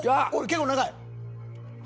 結構長い。